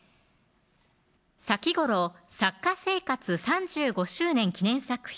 先頃作家生活３５周年記念作品